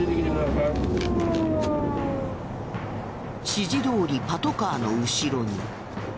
指示どおりパトカーの後ろに。